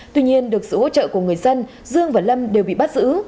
tuy nhiên được sự hỗ trợ của người dân dương và lâm đều bị bắt giữ